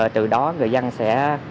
từ đó người dân sẽ